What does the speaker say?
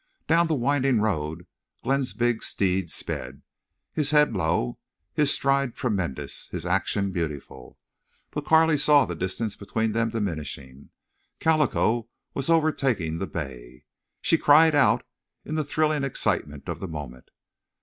Down the winding road Glenn's big steed sped, his head low, his stride tremendous, his action beautiful. But Carley saw the distance between them diminishing. Calico was overtaking the bay. She cried out in the thrilling excitement of the moment.